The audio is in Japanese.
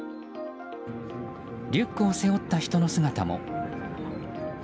リュックを背負った人の姿も。